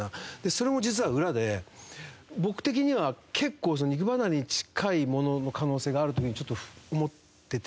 それも実は裏で僕的には結構肉離れに近いものの可能性があるという風に思ってて。